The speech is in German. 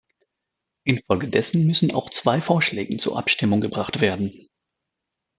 Infolgedessen müssen auch zwei Vorschläge zur Abstimmung gebracht werden.